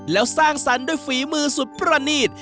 แล้วสร้างสรรค์ด้วยฝีมือสุดประณีต